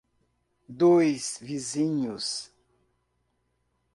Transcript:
Dois Vizinhos